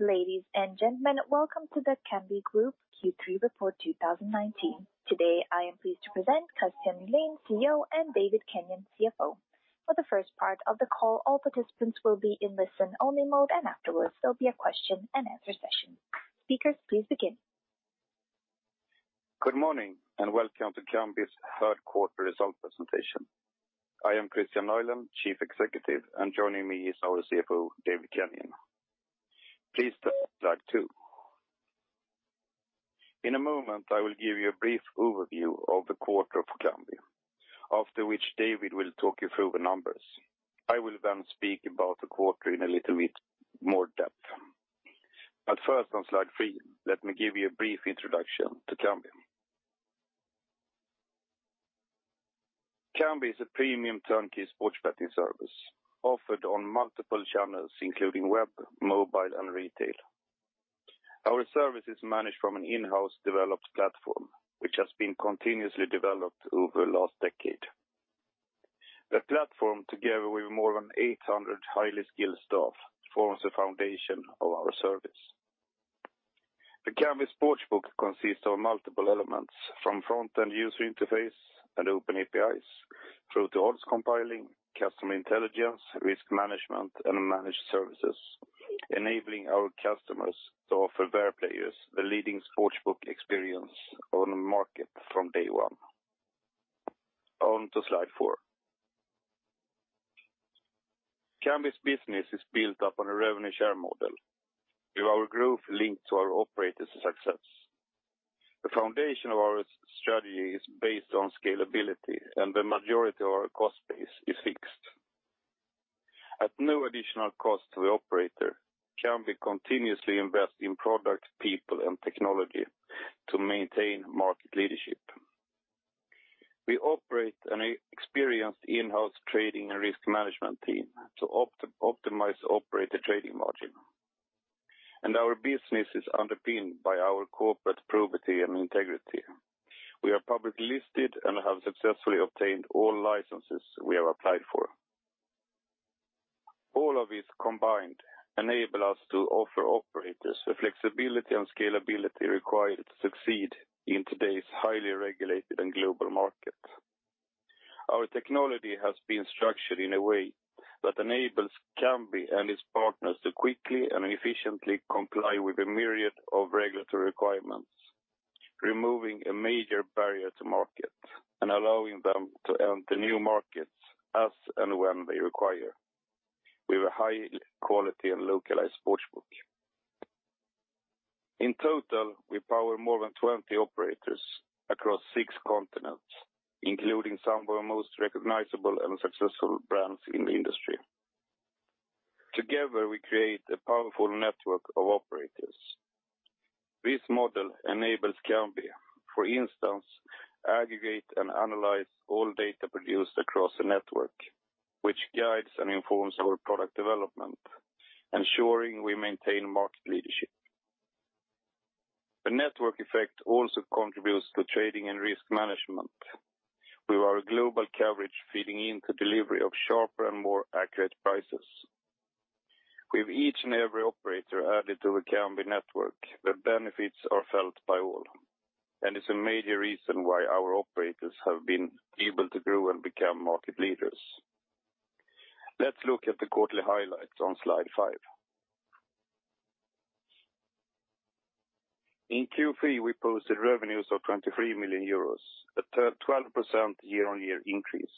Ladies and gentlemen, welcome to the Kambi Group Q3 Report 2019. Today, I am pleased to present Kristian Nylén, CEO, and David Kenyon, CFO. For the first part of the call, all participants will be in listen-only mode, and afterwards, there will be a question-and-answer session. Speakers, please begin. Good morning, and welcome to Kambi's third quarter results presentation. I am Kristian Nylén, Chief Executive, and joining me is our CFO, David Kenyon. Please to slide two. In a moment, I will give you a brief overview of the quarter for Kambi, after which David will talk you through the numbers. I will then speak about the quarter in a little bit more depth. First, on slide three, let me give you a brief introduction to Kambi. Kambi is a premium turnkey sports betting service offered on multiple channels, including web, mobile, and retail. Our service is managed from an in-house developed platform, which has been continuously developed over the last decade. The platform, together with more than 800 highly skilled staff, forms the foundation of our service. The Kambi Sportsbook consists of multiple elements, from front-end user interface and open APIs through to odds compiling, customer intelligence, risk management, and managed services, enabling our customers to offer their players the leading sportsbook experience on the market from day one. On to slide four. Kambi's business is built upon a revenue share model, with our growth linked to our operators' success. The foundation of our strategy is based on scalability, and the majority of our cost base is fixed. At no additional cost to the operator, Kambi continuously invest in product, people, and technology to maintain market leadership. We operate an experienced in-house trading and risk management team to optimize operator trading margin, and our business is underpinned by our corporate probity and integrity. We are publicly listed and have successfully obtained all licenses we have applied for. All of this combined enable us to offer operators the flexibility and scalability required to succeed in today's highly regulated and global market. Our technology has been structured in a way that enables Kambi and its partners to quickly and efficiently comply with a myriad of regulatory requirements, removing a major barrier to market, and allowing them to enter new markets as and when they require with a high-quality and localized sportsbook. In total, we power more than 20 operators across six continents, including some of the most recognizable and successful brands in the industry. Together, we create a powerful network of operators. This model enables Kambi, for instance, aggregate and analyze all data produced across the network, which guides and informs our product development, ensuring we maintain market leadership. The network effect also contributes to trading and risk management, with our global coverage feeding into delivery of sharper and more accurate prices. With each and every operator added to the Kambi network, the benefits are felt by all, and it's a major reason why our operators have been able to grow and become market leaders. Let's look at the quarterly highlights on slide five. In Q3, we posted revenues of 23 million euros, a 12% year-on-year increase.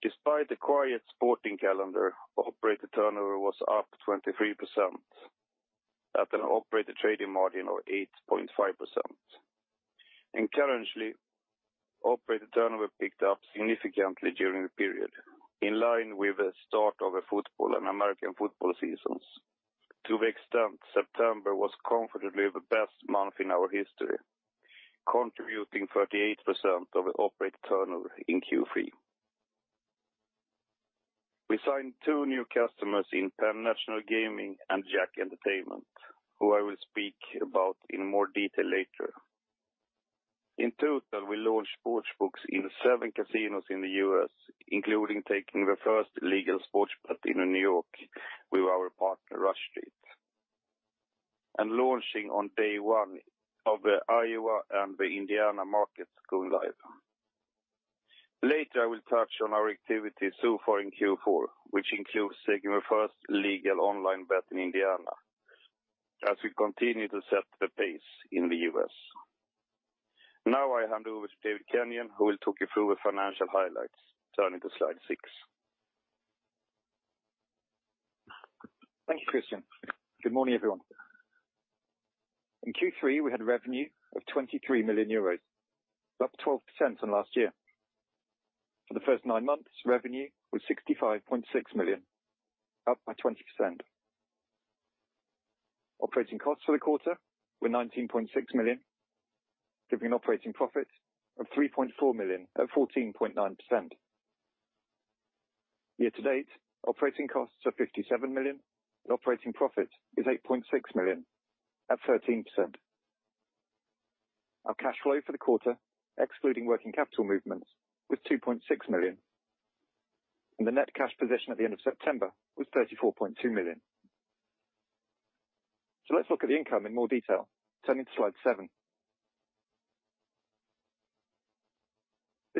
Despite the quiet sporting calendar, operator turnover was up 23% at an operator trading margin of 8.5%. Importantly, operator turnover picked up significantly during the period, in line with the start of the football and American football seasons. To the extent, September was comfortably the best month in our history, contributing 38% of the operator turnover in Q3. We signed two new customers in Penn National Gaming and JACK Entertainment, who I will speak about in more detail later. In total, we launched sportsbooks in seven casinos in the U.S., including taking the first legal sports bet in New York with our partner, Rush Street, and launching on day one of the Iowa and the Indiana markets going live. Later, I will touch on our activity so far in Q4, which includes taking the first legal online bet in Indiana as we continue to set the pace in the U.S. Now I hand over to David Kenyon, who will talk you through the financial highlights. Turning to slide six. Thank you, Kristian. Good morning, everyone. In Q3, we had revenue of 23 million euros, up 12% on last year. For the first nine months, revenue was 65.6 million, up by 20%. Operating costs for the quarter were 19.6 million, giving an operating profit of 3.4 million at 14.9%. Year to date, operating costs are 57 million, and operating profit is 8.6 million at 13%. Our cash flow for the quarter, excluding working capital movements, was 2.6 million, and the net cash position at the end of September was 34.2 million. Let's look at the income in more detail, turning to slide seven.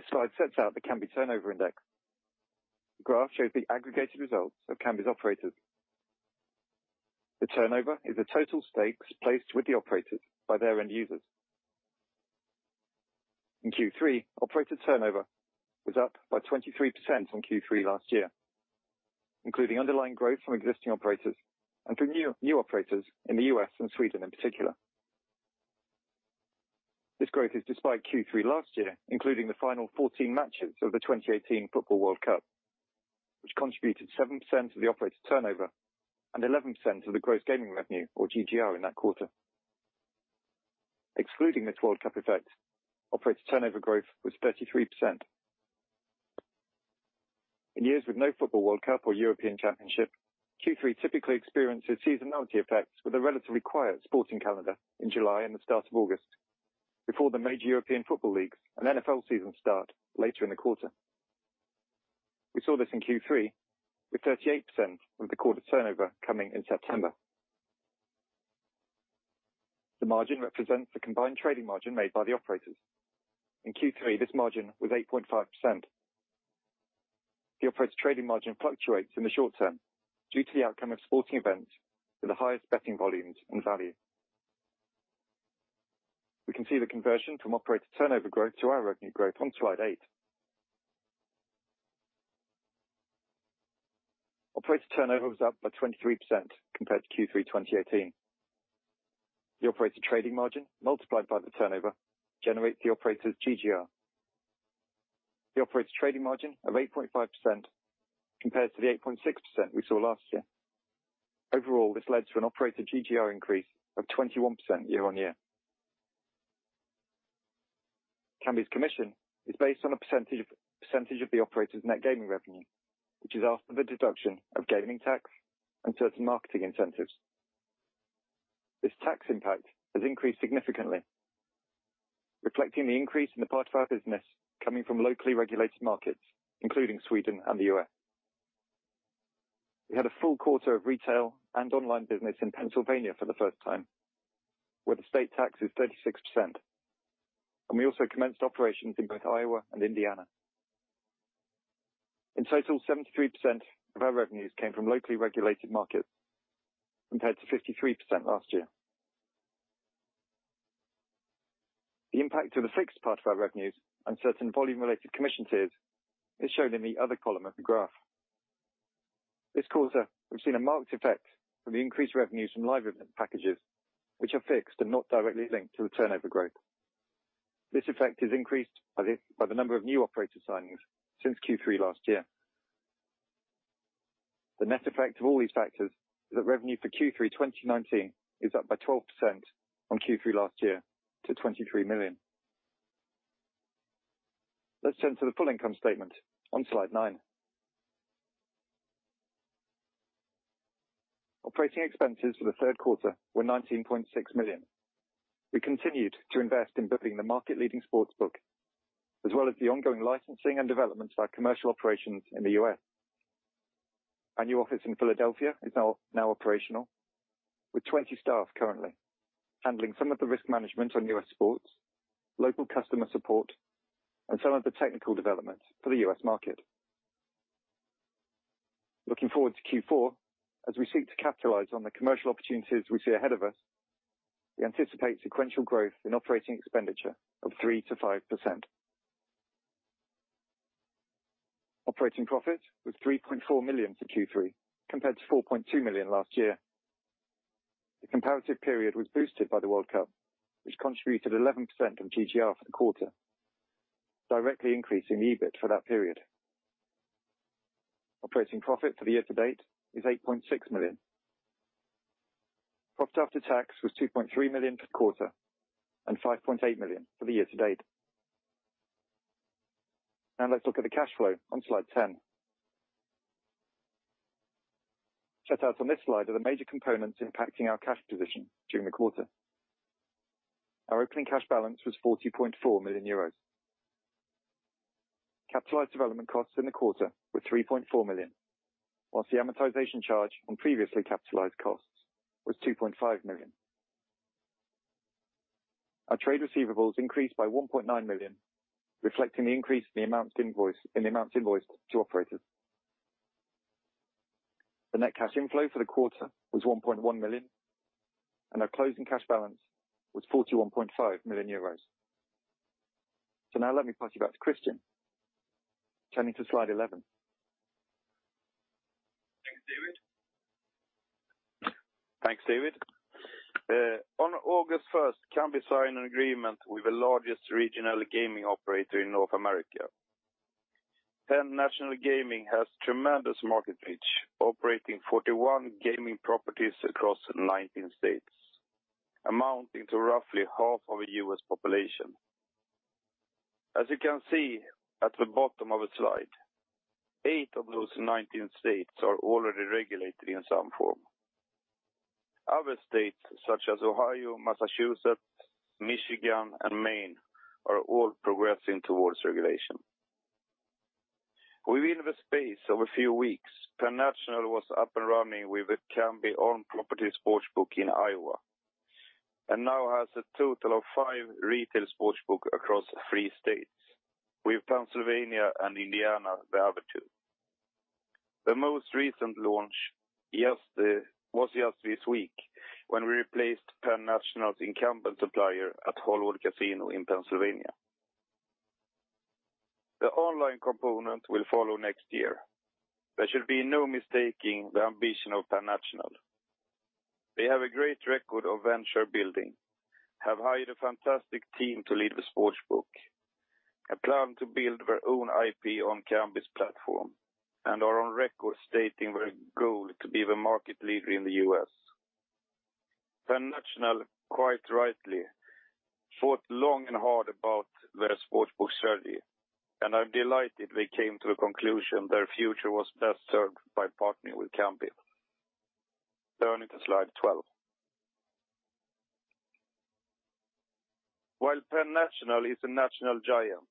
This slide sets out the Kambi turnover index. The graph shows the aggregated results of Kambi's operators. The turnover is the total stakes placed with the operators by their end users. In Q3, operator turnover was up by 23% from Q3 last year, including underlying growth from existing operators and from new operators in the U.S. and Sweden in particular. This growth is despite Q3 last year, including the final 14 matches of the 2018 Football World Cup, which contributed 7% of the operator turnover and 11% of the gross gaming revenue or GGR in that quarter. Excluding this World Cup effect, operator turnover growth was 33%. In years with no Football World Cup or European Championship, Q3 typically experiences seasonality effects with a relatively quiet sporting calendar in July and the start of August before the major European football leagues and NFL season start later in the quarter. We saw this in Q3 with 38% of the quarter turnover coming in September. The margin represents the combined trading margin made by the operators. In Q3, this margin was 8.5%. The operator trading margin fluctuates in the short term due to the outcome of sporting events with the highest betting volumes and value. We can see the conversion from operator turnover growth to our revenue growth on slide eight. Operator turnover was up by 23% compared to Q3 2018. The operator trading margin, multiplied by the turnover, generates the operator's GGR. The operator trading margin of 8.5% compares to the 8.6% we saw last year. Overall, this led to an operator GGR increase of 21% year-on-year. Kambi's commission is based on a percentage of the operator's net gaming revenue, which is after the deduction of gaming tax and certain marketing incentives. This tax impact has increased significantly, reflecting the increase in the part of our business coming from locally regulated markets, including Sweden and the U.S. We had a full quarter of retail and online business in Pennsylvania for the first time, where the state tax is 36%, and we also commenced operations in both Iowa and Indiana. In total, 73% of our revenues came from locally regulated markets, compared to 53% last year. The impact to the fixed part of our revenues and certain volume-related commission tiers is shown in the other column of the graph. This quarter, we've seen a marked effect from the increased revenues from live event packages, which are fixed and not directly linked to the turnover growth. This effect is increased by the number of new operator signings since Q3 last year. The net effect of all these factors is that revenue for Q3 2019 is up by 12% on Q3 last year to 23 million. Let's turn to the full income statement on slide nine. Operating expenses for the third quarter were 19.6 million. We continued to invest in building the market-leading sportsbook, as well as the ongoing licensing and development of our commercial operations in the U.S. Our new office in Philadelphia is now operational with 20 staff currently handling some of the risk management on U.S. sports, local customer support, and some of the technical developments for the U.S. market. Looking forward to Q4, as we seek to capitalize on the commercial opportunities we see ahead of us, we anticipate sequential growth in operating expenditure of 3% to 5%. Operating profit was 3.4 million for Q3 compared to 4.2 million last year. The comparative period was boosted by the World Cup, which contributed 11% of GGR for the quarter, directly increasing EBIT for that period. Operating profit for the year to date is 8.6 million. Profit after tax was 2.3 million per quarter and 5.8 million for the year to date. Let's look at the cash flow on slide 10. Set out on this slide are the major components impacting our cash position during the quarter. Our opening cash balance was 40.4 million euros. Capitalized development costs in the quarter were 3.4 million, whilst the amortization charge on previously capitalized costs was 2.5 million. Our trade receivables increased by 1.9 million, reflecting the increase in the amounts invoiced to operators. The net cash inflow for the quarter was 1.1 million, and our closing cash balance was 41.5 million euros. Let me pass you back to Christian. Turning to slide 11. Thanks, David. On August 1st, Kambi signed an agreement with the largest regional gaming operator in North America. Penn National Gaming has tremendous market reach, operating 41 gaming properties across 19 states, amounting to roughly half of the U.S. population. As you can see at the bottom of the slide, eight of those 19 states are already regulated in some form. Other states such as Ohio, Massachusetts, Michigan, and Maine are all progressing towards regulation. Within the space of a few weeks, Penn National was up and running with the Kambi on-property sportsbook in Iowa, and now has a total of five retail sportsbooks across three states, with Pennsylvania and Indiana the other two. The most recent launch was just this week when we replaced Penn National's incumbent supplier at Hollywood Casino in Pennsylvania. The online component will follow next year. There should be no mistaking the ambition of Penn National. They have a great record of venture building, have hired a fantastic team to lead the sportsbook, plan to build their own IP on Kambi's platform, are on record stating their goal to be the market leader in the U.S. Penn National, quite rightly, thought long and hard about their sportsbook strategy, I'm delighted they came to the conclusion their future was best served by partnering with Kambi. Turning to slide 12. While Penn National is a national giant,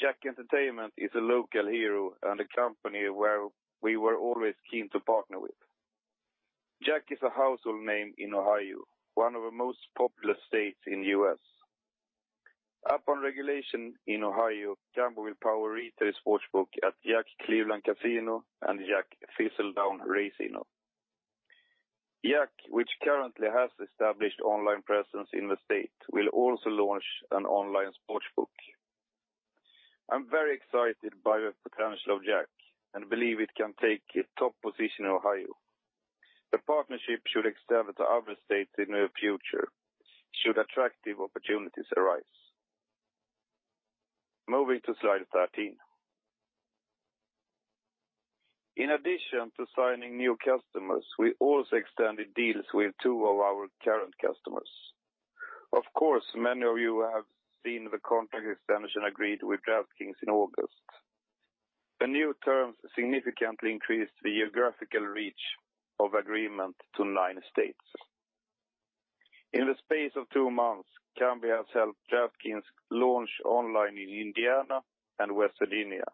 JACK Entertainment is a local hero and a company where we were always keen to partner with. JACK is a household name in Ohio, one of the most populous states in the U.S. Upon regulation in Ohio, Kambi will power retail sportsbook at JACK Cleveland Casino and JACK Thistledown Racino. JACK, which currently has established online presence in the state, will also launch an online sportsbook. I'm very excited by the potential of JACK and believe it can take a top position in Ohio. The partnership should extend to other states in the near future should attractive opportunities arise. Moving to slide 13. In addition to signing new customers, we also extended deals with two of our current customers. Of course, many of you have seen the contract extension agreed with DraftKings in August. The new terms significantly increased the geographical reach of agreement to nine states. In the space of two months, Kambi has helped DraftKings launch online in Indiana and West Virginia,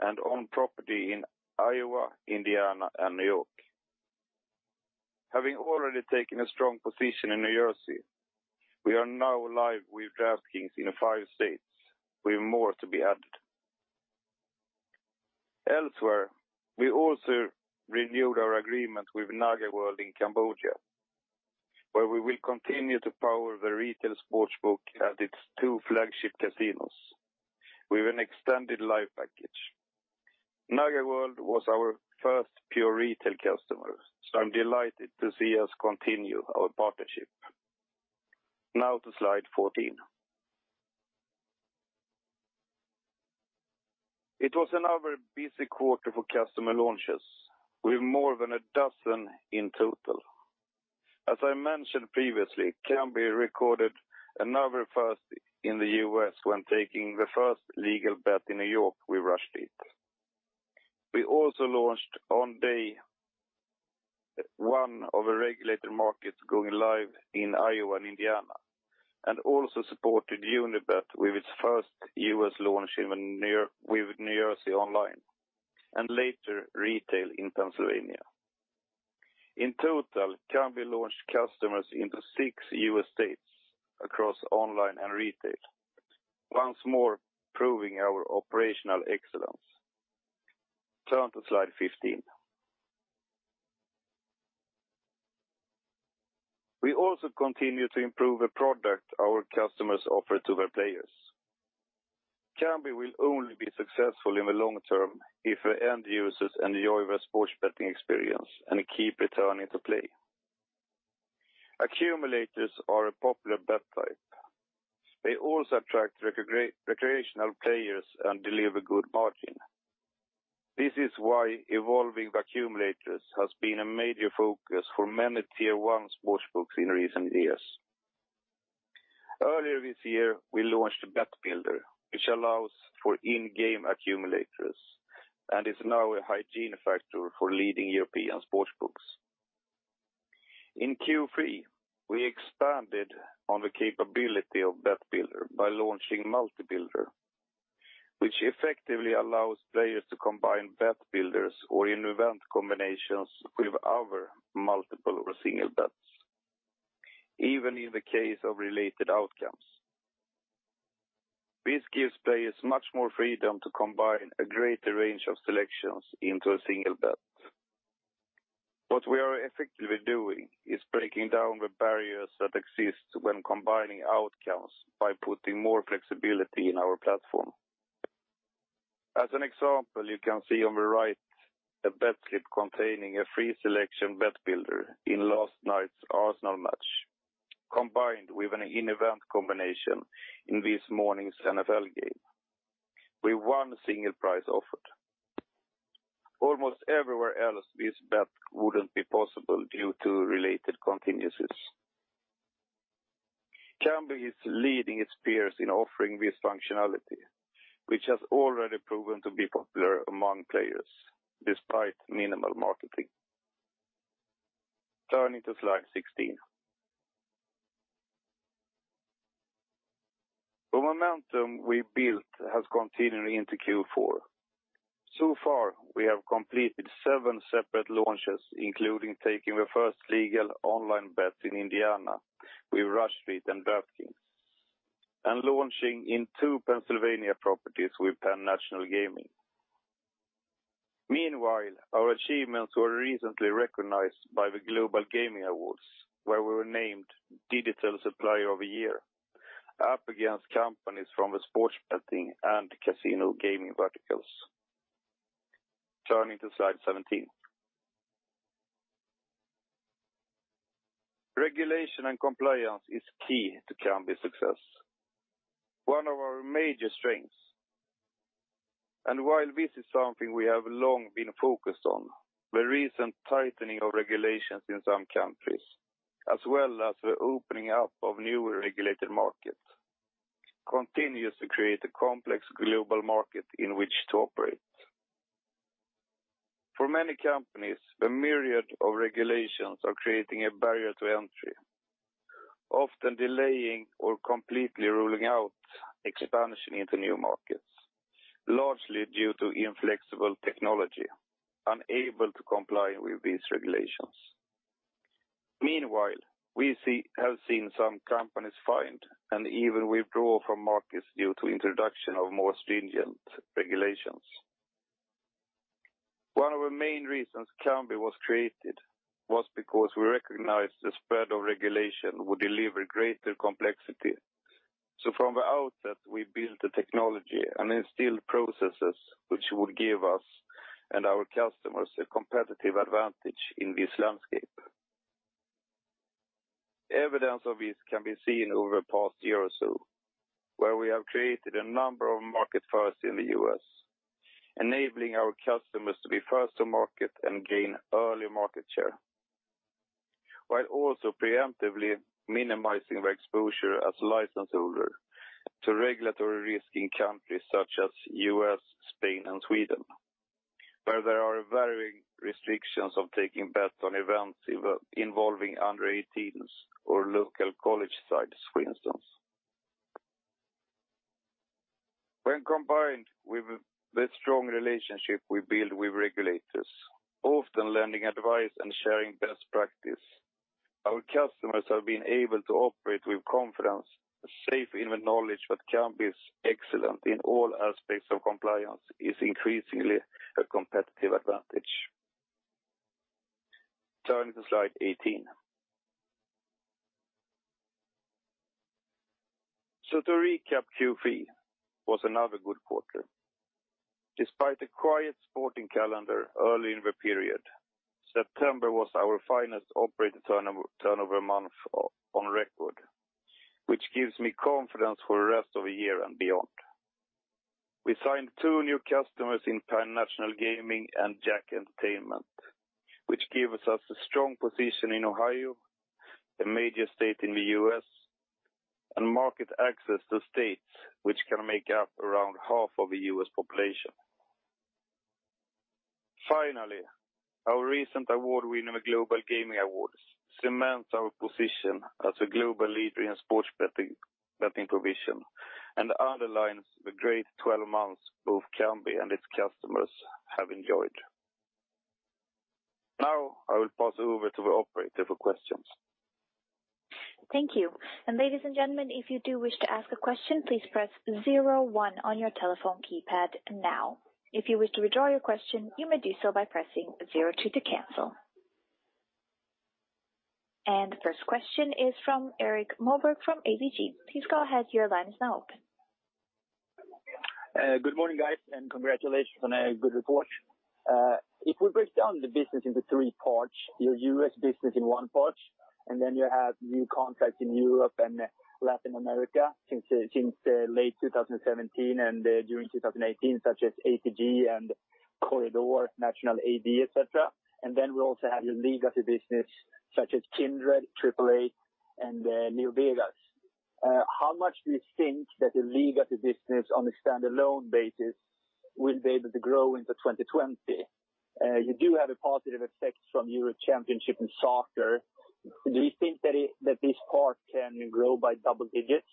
and on property in Iowa, Indiana, and New York. Having already taken a strong position in New Jersey, we are now live with DraftKings in five states, with more to be added. Elsewhere, we also renewed our agreement with NagaWorld in Cambodia, where we will continue to power the retail sportsbook at its two flagship casinos with an extended live package. NagaWorld was our first pure retail customer. I'm delighted to see us continue our partnership. Now to slide 14. It was another busy quarter for customer launches, with more than a dozen in total. As I mentioned previously, Kambi recorded another first in the U.S. when taking the first legal bet in New York with Rush Street. We also launched on day one of a regulated market going live in Iowa and Indiana. Also supported Unibet with its first U.S. launch with New Jersey online, and later retail in Pennsylvania. In total, Kambi launched customers into six U.S. states across online and retail, once more proving our operational excellence. Turn to slide 15. We also continue to improve the product our customers offer to their players. Kambi will only be successful in the long term if the end users enjoy the sports betting experience and keep returning to play. Accumulators are a popular bet type. They also attract recreational players and deliver good margin. This is why evolving the accumulators has been a major focus for many tier 1 sportsbooks in recent years. Earlier this year, we launched Bet Builder, which allows for in-game accumulators and is now a hygiene factor for leading European sportsbooks. In Q3, we expanded on the capability of Bet Builder by launching Multi-Builder, which effectively allows players to combine bet builders or in-event combinations with other multiple or single bets, even in the case of related contingencies. This gives players much more freedom to combine a greater range of selections into a single bet. What we are effectively doing is breaking down the barriers that exist when combining outcomes by putting more flexibility in our platform. As an example, you can see on the right a bet slip containing a free selection Bet Builder in last night's Arsenal match, combined with an in-event combination in this morning's NFL game, with one single price offer. Almost everywhere else, this bet wouldn't be possible due to related contingencies. Kambi is leading its peers in offering this functionality, which has already proven to be popular among players despite minimal marketing. Turning to slide 16. The momentum we built has continued into Q4. So far, we have completed seven separate launches, including taking the first legal online bets in Indiana with Rush Street and DraftKings, and launching in two Pennsylvania properties with Penn National Gaming. Meanwhile, our achievements were recently recognized by the Global Gaming Awards, where we were named Digital Supplier of the Year, up against companies from the sports betting and casino gaming verticals. Turning to slide 17. Regulation and compliance is key to Kambi's success, one of our major strengths. While this is something we have long been focused on, the recent tightening of regulations in some countries, as well as the opening up of new regulated markets, continues to create a complex global market in which to operate. For many companies, the myriad of regulations are creating a barrier to entry, often delaying or completely ruling out expansion into new markets, largely due to inflexible technology unable to comply with these regulations. Meanwhile, we have seen some companies fined and even withdraw from markets due to introduction of more stringent regulations. One of the main reasons Kambi was created was because we recognized the spread of regulation would deliver greater complexity. From the outset, we built the technology and instilled processes which would give us and our customers a competitive advantage in this landscape. Evidence of this can be seen over the past year or so, where we have created a number of market firsts in the U.S., enabling our customers to be first to market and gain early market share, while also preemptively minimizing their exposure as license holder to regulatory risk in countries such as U.S., Spain, and Sweden, where there are varying restrictions of taking bets on events involving under 18s or local college sides, for instance. When combined with the strong relationship we build with regulators, often lending advice and sharing best practice, our customers have been able to operate with confidence, safe in the knowledge that Kambi's excellence in all aspects of compliance is increasingly a competitive advantage. Turning to slide 18. To recap, Q3 was another good quarter. Despite a quiet sporting calendar early in the period, September was our finest operator turnover month on record, which gives me confidence for the rest of the year and beyond. We signed two new customers in Penn National Gaming and JACK Entertainment, which gives us a strong position in Ohio, a major state in the U.S., and market access to states which can make up around half of the U.S. population. Finally, our recent award win in the Global Gaming Awards cements our position as a global leader in sports betting provision and underlines the great 12 months both Kambi and its customers have enjoyed. Now, I will pass over to the operator for questions. Thank you. Ladies and gentlemen, if you do wish to ask a question, please press 01 on your telephone keypad now. If you wish to withdraw your question, you may do so by pressing 02 to cancel. First question is from Erik Moberg from ABG. Please go ahead, your line is now open. Good morning, guys, and congratulations on a good report. If we break down the business into three parts, your U.S. business in one part, and then you have new contracts in Europe and Latin America since late 2017 and during 2018, such as ATG and Corredor, Nacional AD, et cetera. We also have your legacy business such as Kindred, 888, and LeoVegas. How much do you think that the legacy business on a standalone basis will be able to grow into 2020? You do have a positive effect from Europe Championship in soccer. Do you think that this part can grow by double digits?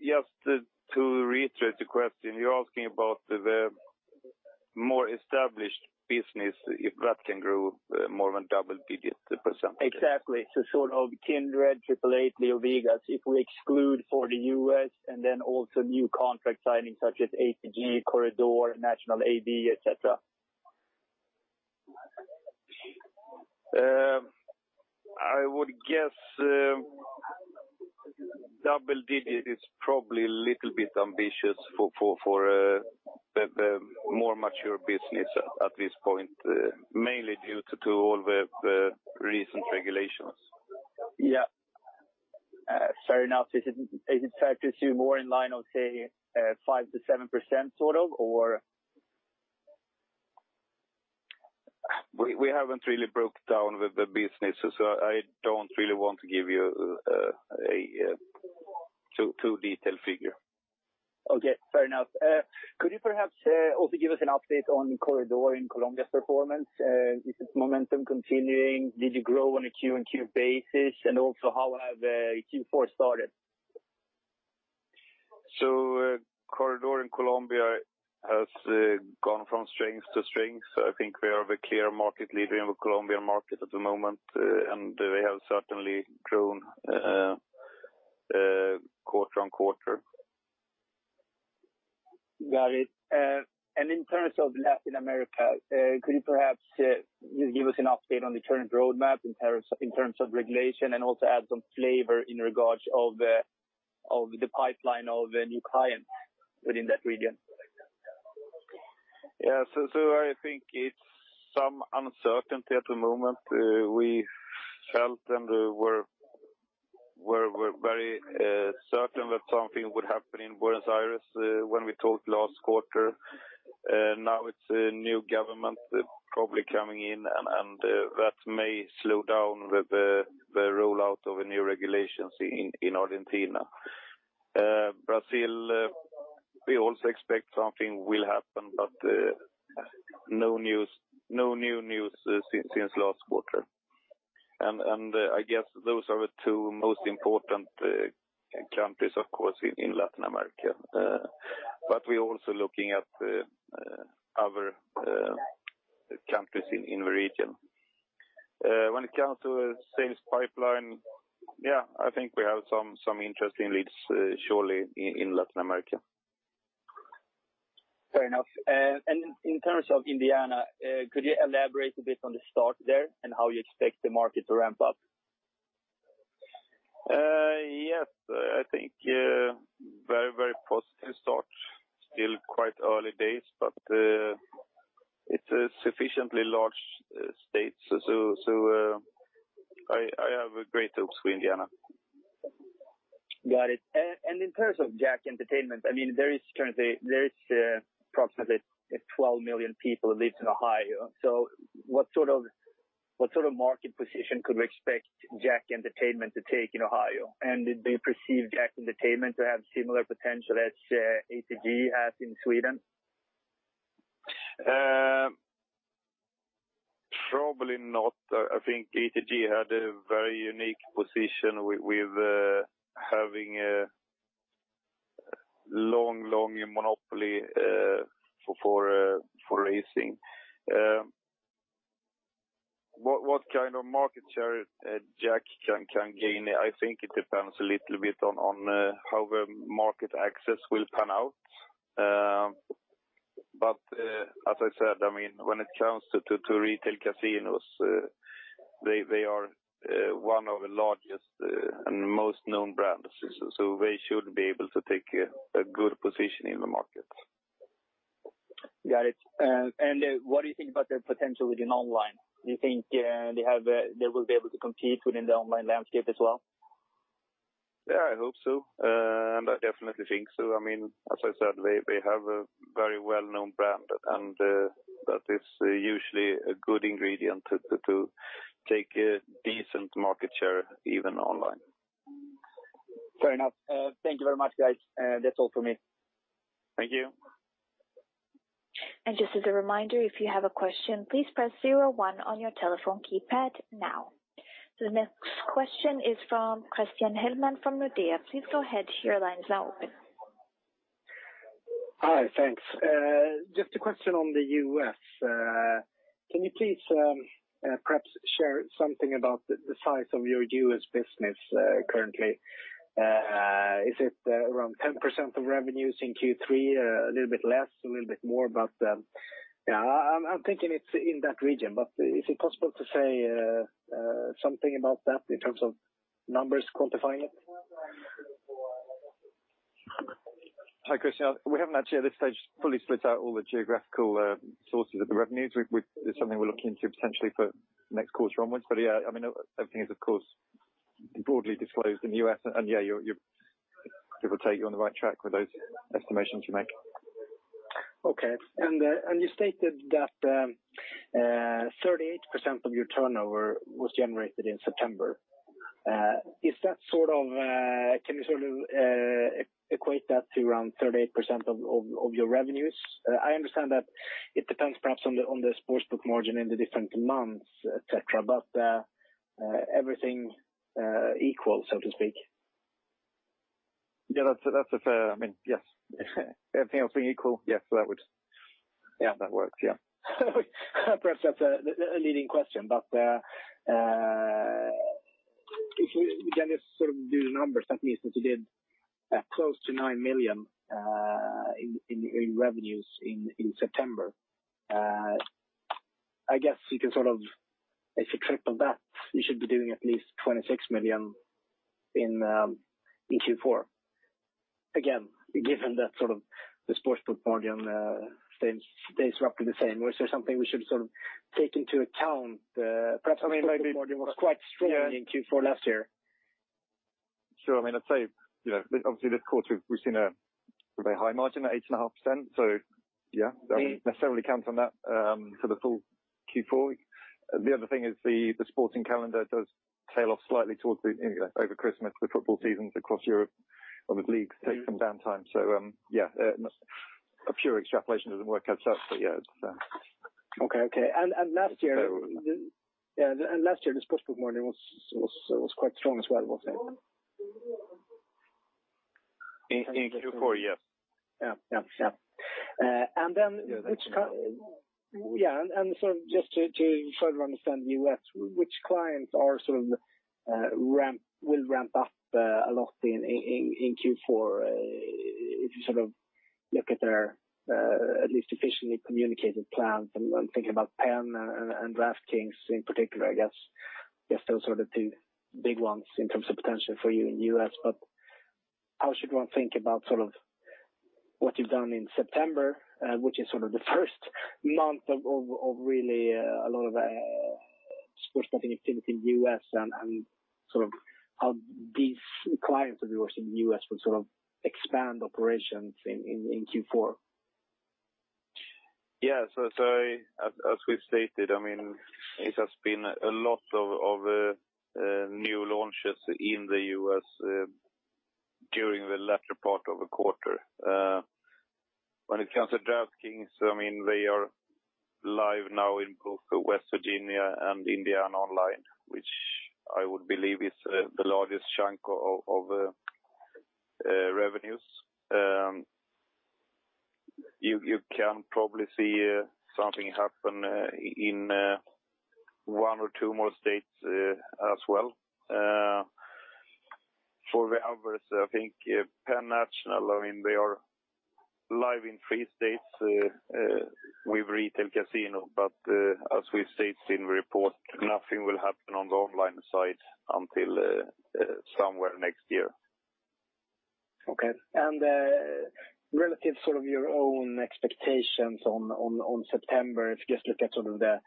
Just to reiterate the question, you're asking about the more established business, if that can grow more than double digits %? Exactly. Sort of Kindred, 888, LeoVegas. If we exclude for the U.S. also new contract signings such as ATG, Corredor, Nacional AD, et cetera. I would guess double digit is probably a little bit ambitious for the more mature business at this point, mainly due to all the recent regulations. Yeah. Fair enough. Is it fair to assume more in line of, say, 5%-7%, sort of? We haven't really broke down with the business. I don't really want to give you a too detailed figure. Okay, fair enough. Could you perhaps also give us an update on Corredor in Colombia's performance? Is its momentum continuing? Did you grow on a Q and Q basis? Also how have Q4 started? Corredor in Colombia has gone from strength to strength. I think we are the clear market leader in the Colombian market at the moment, and we have certainly grown quarter on quarter. Got it. In terms of Latin America, could you perhaps give us an update on the current roadmap in terms of regulation and also add some flavor in regards of the pipeline of new clients within that region? I think it's some uncertainty at the moment. We felt and we're very certain that something would happen in Buenos Aires when we talked last quarter. Now it's a new government probably coming in, and that may slow down the rollout of new regulations in Argentina. Brazil, we also expect something will happen, no new news since last quarter. I guess those are the two most important countries, of course, in Latin America. We're also looking at other countries in the region. When it comes to sales pipeline, I think we have some interesting leads, surely, in Latin America. Fair enough. In terms of Indiana, could you elaborate a bit on the start there and how you expect the market to ramp up? Yes, I think very positive start. Still quite early days, but it's a sufficiently large state. I have great hopes for Indiana. Got it. In terms of JACK Entertainment, there is approximately 12 million people live in Ohio. What sort of market position could we expect JACK Entertainment to take in Ohio? Do you perceive JACK Entertainment to have similar potential as ATG has in Sweden? Probably not. I think ATG had a very unique position with having a long monopoly for racing. What kind of market share JACK can gain? I think it depends a little bit on how the market access will pan out. As I said, when it comes to retail casinos, they are one of the largest and most known brands. They should be able to take a good position in the market. Got it. What do you think about their potential within online? Do you think they will be able to compete within the online landscape as well? Yeah, I hope so. I definitely think so. As I said, they have a very well-known brand, and that is usually a good ingredient to take a decent market share, even online. Fair enough. Thank you very much, guys. That's all for me. Thank you. Just as a reminder, if you have a question, please press 01 on your telephone keypad now. The next question is from Christian Hellman from Nordea. Please go ahead. Your line is now open. Hi, thanks. Just a question on the U.S. Can you please perhaps share something about the size of your U.S. business currently? Is it around 10% of revenues in Q3? A little bit less, a little bit more? I'm thinking it's in that region, but is it possible to say something about that in terms of numbers quantifying it? Hi, Christian. We haven't actually, at this stage, fully split out all the geographical sources of the revenues. It's something we're looking to potentially for next course onwards. Yeah, everything is, of course, broadly disclosed in the U.S., and yeah, it will take you on the right track with those estimations you make. Okay. You stated that 38% of your turnover was generated in September. Can you sort of equate that to around 38% of your revenues? I understand that it depends perhaps on the sportsbook margin in the different months, et cetera. Everything equals, so to speak. Yeah, that's fair. Yes. Everything else being equal, yes, that works. Yeah. Perhaps that's a leading question. Can you just sort of do the numbers? That means that you did close to 9 million in revenues in September. I guess if you triple that, you should be doing at least 26 million in Q4. Again, given that sort of the sportsbook margin stays roughly the same. Was there something we should sort of take into account? Perhaps sportsbook margin was quite strong in Q4 last year. Sure. Obviously, this quarter, we've seen a very high margin at 8.5%. Yeah, don't necessarily count on that for the full Q4. The other thing is the sporting calendar does tail off slightly towards the, over Christmas, the football seasons across Europe, obviously leagues take some downtime. Yeah, a pure extrapolation doesn't work out, but yeah. Okay. Last year, the sports book margin was quite strong as well, wasn't it? In Q4, yes. Which clients will ramp up a lot in Q4, if you sort of look at their at least efficiently communicated plans? I am thinking about Penn and DraftKings in particular, I guess. They are still sort of the two big ones in terms of potential for you in U.S., but how should one think about sort of what you have done in September, which is sort of the first month of really a lot of sports betting activity in U.S. and sort of how these clients of yours in the U.S. will sort of expand operations in Q4? As we've stated, it has been a lot of new launches in the U.S. during the latter part of the quarter. When it comes to DraftKings, they are live now in both West Virginia and Indiana online, which I would believe is the largest chunk of revenues. You can probably see something happen in one or two more states as well. For the others, I think Penn National, they are live in three states with retail casino. As we've stated in the report, nothing will happen on the online side until somewhere next year. Okay. Relative sort of your own expectations on September, if you just look at sort of the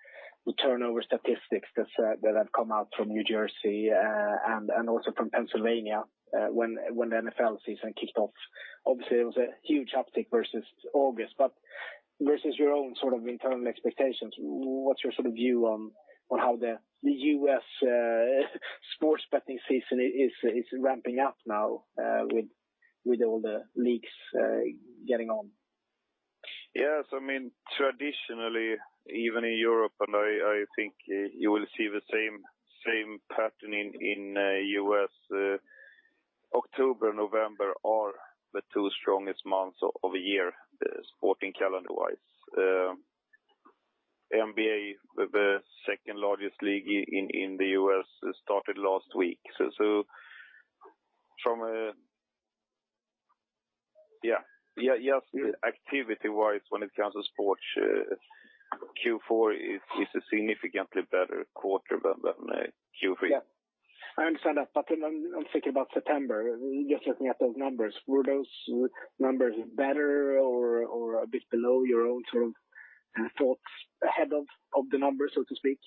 turnover statistics that have come out from New Jersey, and also from Pennsylvania, when the NFL season kicked off. Obviously, it was a huge uptick versus August. Versus your own sort of internal expectations, what's your sort of view on how the U.S. sports betting season is ramping up now with all the leagues getting on? Yes, traditionally, even in Europe, and I think you will see the same pattern in U.S., October, November are the two strongest months of the year, sporting calendar-wise. NBA, the second largest league in the U.S., started last week. Activity-wise, when it comes to sports, Q4 is a significantly better quarter than Q3. Yeah. I understand that. I'm thinking about September. Just looking at those numbers. Were those numbers better or a bit below your own sort of thoughts ahead of the numbers, so to speak?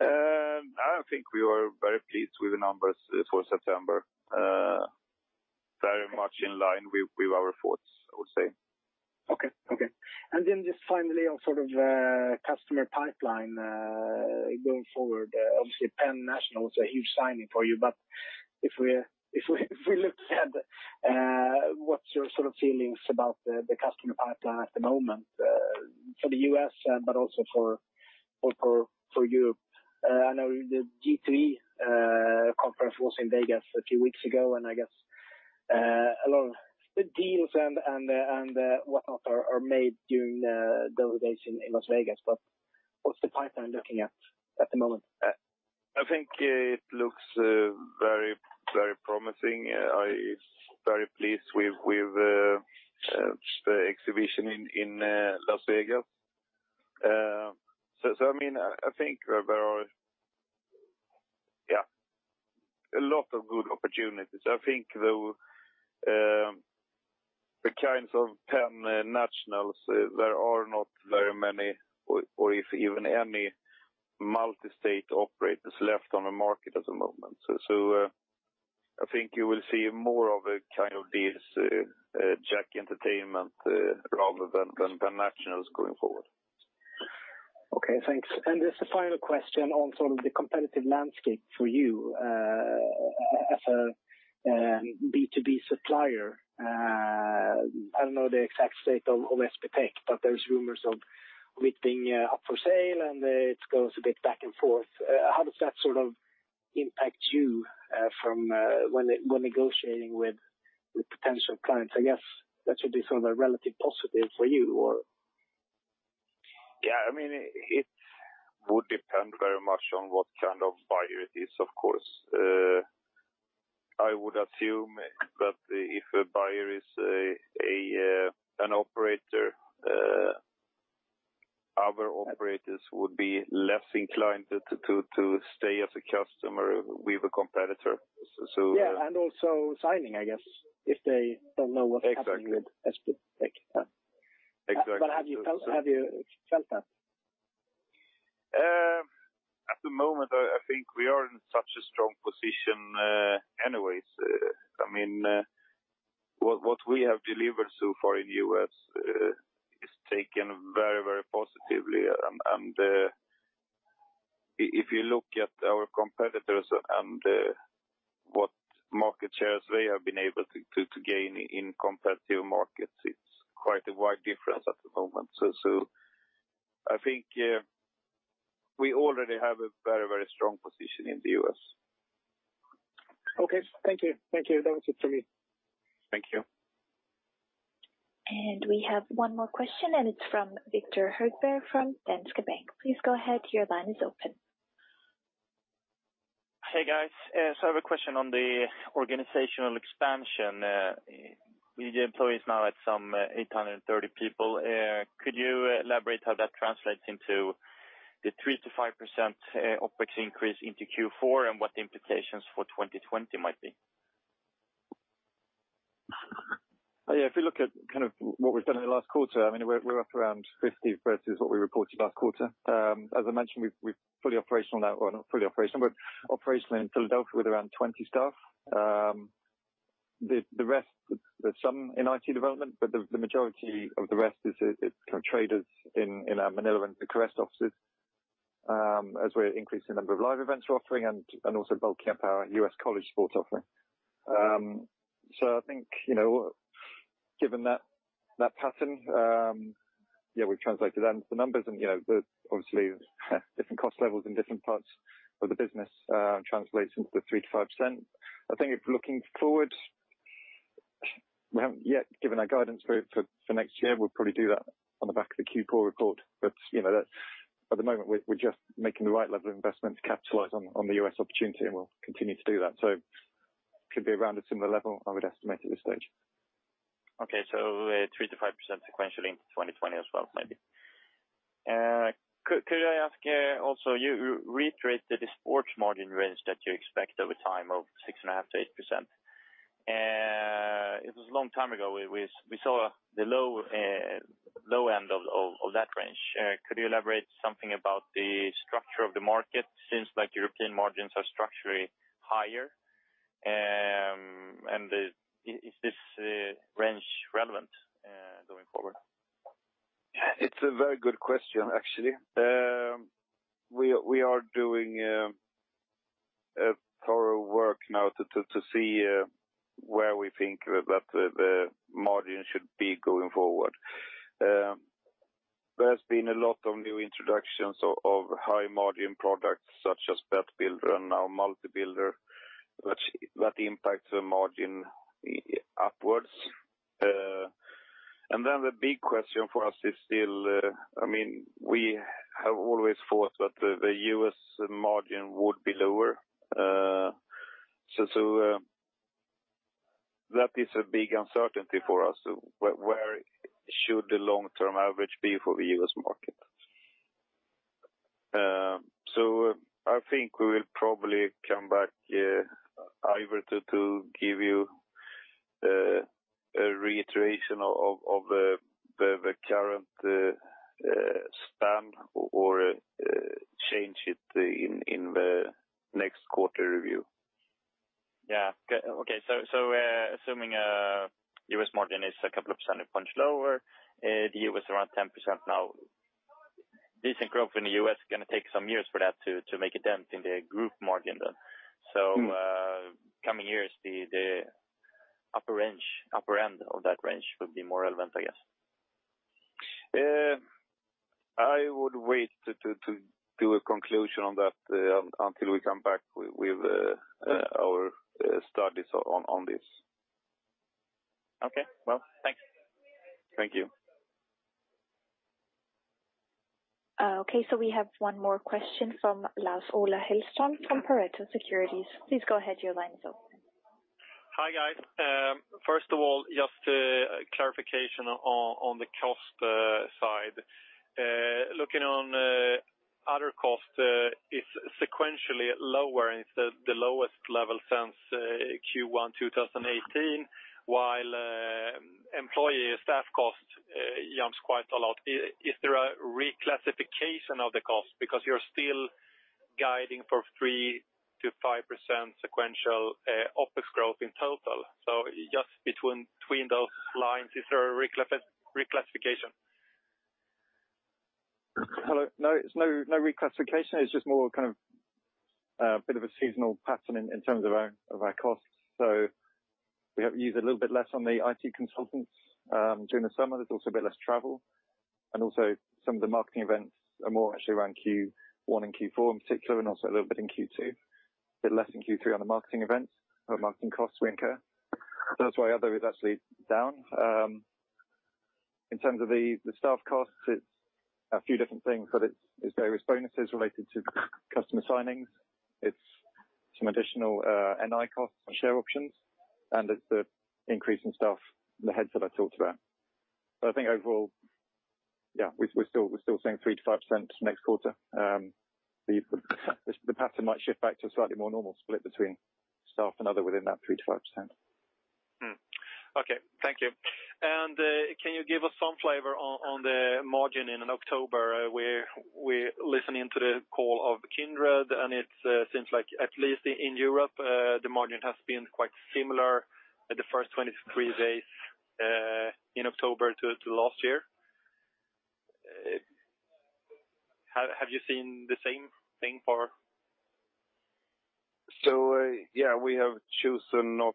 I think we were very pleased with the numbers for September. Very much in line with our thoughts, I would say. Okay. Just finally on sort of customer pipeline going forward. Obviously, Penn National is a huge signing for you. If we look at what's your sort of feelings about the customer pipeline at the moment for the U.S., but also for Europe. I know the G2E conference was in Vegas a few weeks ago, and I guess a lot of the deals and whatnot are made during those days in Las Vegas. What's the pipeline looking at the moment? I think it looks very promising. I'm very pleased with the exhibition in Las Vegas. I think there are a lot of good opportunities. I think the kinds of Penn Nationals, there are not very many or if even any multi-state operators left on the market at the moment. I think you will see more of the kind of deals JACK Entertainment rather than Nationals going forward. Okay, thanks. Just a final question on sort of the competitive landscape for you as a B2B supplier. I don't know the exact state of SBTech, but there's rumors of it being up for sale, and it goes a bit back and forth. How does that sort of impact you when negotiating with potential clients? I guess that should be sort of a relative positive for you, or? Yeah, it would depend very much on what kind of buyer it is, of course. I would assume that if a buyer is an operator, other operators would be less inclined to stay as a customer with a competitor. Yeah. Also signing, I guess, if they don't know what's happening with SBTech. Exactly. Have you felt that? At the moment, I think we are in such a strong position anyways. What we have delivered so far in the U.S. is taken very positively. If you look at our competitors and what market shares they have been able to gain in competitive markets, it's quite a wide difference at the moment. I think we already have a very strong position in the U.S. Okay. Thank you. That was it for me. Thank you. We have one more question, and it's from Viktor Högberg from Danske Bank. Please go ahead. Your line is open. Hey, guys. I have a question on the organizational expansion. With your employees now at some 830 people, could you elaborate how that translates into the 3%-5% OpEx increase into Q4 and what the implications for 2020 might be? If you look at what we've done in the last quarter, we're up around 50 versus what we reported last quarter. As I mentioned, we're fully operational now. Well, not fully operational, but operational in Philadelphia with around 20 staff. The rest, there's some in IT development, but the majority of the rest is traders in our Manila and Bucharest offices as we're increasing the number of live events we're offering and also bulking up our US college sports offering. I think, given that pattern, yeah, we've translated that into the numbers and obviously different cost levels in different parts of the business translates into the 3%-5%. I think if looking forward, we haven't yet given our guidance for next year. We'll probably do that on the back of the Q4 report. At the moment, we're just making the right level of investment to capitalize on the U.S. opportunity, and we'll continue to do that. Could be around a similar level, I would estimate at this stage. Okay. 3%-5% sequentially in 2020 as well, maybe. Could I ask also, you reiterated the sports margin range that you expect over time of 6.5%-8%. It was a long time ago. We saw the low end of that range. Could you elaborate something about the structure of the market since European margins are structurally higher? Is this range relevant going forward? It's a very good question, actually. We are doing a thorough work now to see where we think that the margin should be going forward. There has been a lot of new introductions of high-margin products such as Bet Builder and now Multi-Builder, that impacts the margin upwards. The big question for us is still, we have always thought that the U.S. margin would be lower. That is a big uncertainty for us. Where should the long-term average be for the U.S. market? I think we will probably come back either to give you a reiteration of the current stand or change it in the next quarter review. Yeah. Okay. Assuming U.S. margin is a couple of % lower, the U.S. around 10% now. Decent growth in the U.S. going to take some years for that to make a dent in the group margin then. Coming years, the upper end of that range would be more relevant, I guess. I would wait to do a conclusion on that until we come back with our studies on this. Okay. Well, thank you. Thank you. Okay, we have one more question from Lars-Ola Hellström from Pareto Securities. Please go ahead, your line is open. Hi, guys. First of all, just a clarification on the cost side. Looking on other costs, it's sequentially lower and it's the lowest level since Q1 2018, while employee staff cost jumps quite a lot. Is there a reclassification of the cost? You're still guiding for 3%-5% sequential OpEx growth in total. Just between those lines, is there a reclassification? Hello. It's no reclassification. It's just more kind of a bit of a seasonal pattern in terms of our costs. We have used a little bit less on the IT consultants during the summer. There's also a bit less travel, and also some of the marketing events are more actually around Q1 and Q4 in particular, and also a little bit in Q2. A bit less in Q3 on the marketing events. Our marketing costs weaker. That's why other is actually down. In terms of the staff costs, it's a few different things, but it's various bonuses related to customer signings. Some additional NI costs on share options and the increase in staff, the heads that I talked about. I think overall, yeah, we're still seeing 3%-5% next quarter. The pattern might shift back to a slightly more normal split between staff and other within that 3%-5%. Okay. Thank you. Can you give us some flavor on the margin in October? We're listening to the call of Kindred, it seems like at least in Europe, the margin has been quite similar in the first 23 days in October to last year. Have you seen the same thing for? Yeah, we have chosen not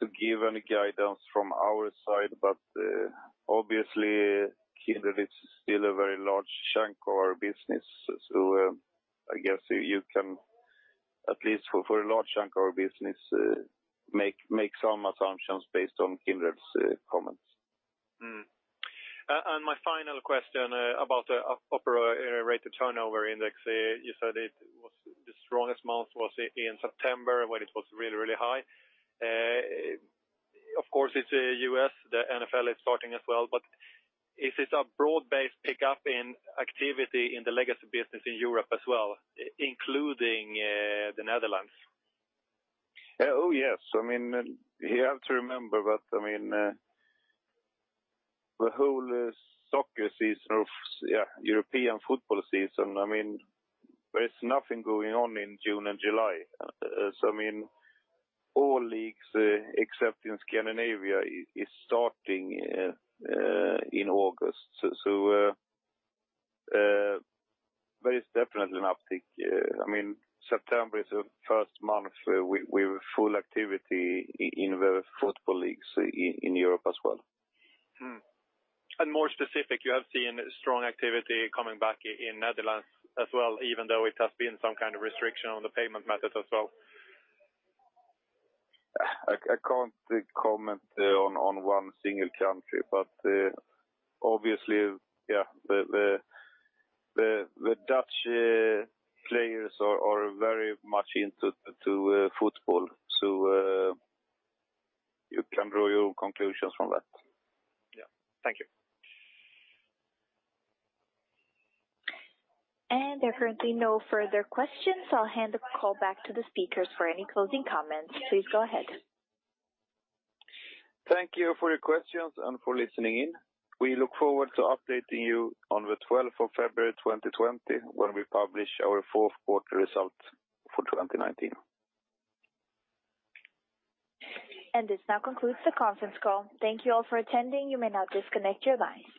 to give any guidance from our side, but obviously, Kindred is still a very large chunk of our business. I guess you can, at least for a large chunk of our business, make some assumptions based on Kindred's comments. My final question about the operator rate of turnover index. You said the strongest month was in September when it was really, really high. Of course, it's U.S., the NFL is starting as well, but is it a broad-based pickup in activity in the legacy business in Europe as well, including the Netherlands? Oh, yes. You have to remember that, the whole soccer season of European football season, there is nothing going on in June and July. All leagues except in Scandinavia is starting in August. There is definitely an uptick. September is the first month with full activity in the football leagues in Europe as well. More specific, you have seen strong activity coming back in Netherlands as well, even though it has been some kind of restriction on the payment methods as well. I can't comment on one single country, but obviously yeah, the Dutch players are very much into football. You can draw your own conclusions from that. Yeah. Thank you. There are currently no further questions. I'll hand the call back to the speakers for any closing comments. Please go ahead. Thank you for your questions and for listening in. We look forward to updating you on the 12th of February 2020, when we publish our fourth quarter results for 2019. This now concludes the conference call. Thank you all for attending. You may now disconnect your lines.